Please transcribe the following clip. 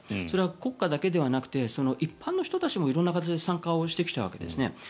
それは国家だけではなくて一般の人たちも色んな形で参加してきたわけですね。